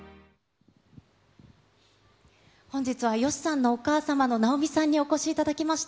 本日はＹＯＳＨＩさんのお母様の直美さんにお越しいただきました。